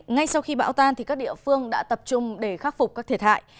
ngay sau khi bão tan các địa phương đã tập trung để khắc phục các thiệt hại